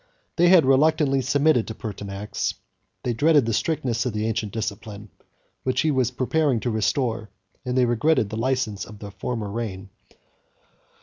They had reluctantly submitted to Pertinax; they dreaded the strictness of the ancient discipline, which he was preparing to restore; and they regretted the license of the former reign.